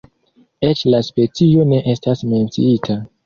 Eĉ la specio ne estas menciita.